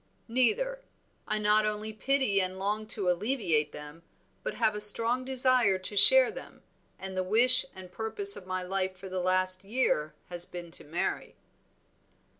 "Neither; I not only pity and long to alleviate them, but have a strong desire to share them, and the wish and purpose of my life for the last year has been to marry."